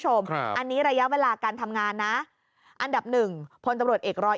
อันนี้ระยะเวลาการทำงานนะอันดับหนึ่งพลตำรวจเอกรอย